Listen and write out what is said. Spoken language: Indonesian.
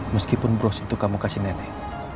meskipun bros itu kamu kasih nenek